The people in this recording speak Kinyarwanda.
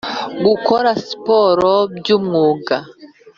Gukora siporo by umwuga